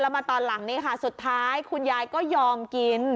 มาตอนหลังนี้ค่ะสุดท้ายคุณยายก็ยอมกิน